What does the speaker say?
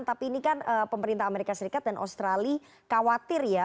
tapi ini kan pemerintah amerika serikat dan australia khawatir ya